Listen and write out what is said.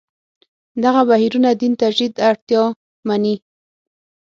دغه بهیرونه دین تجدید اړتیا مني.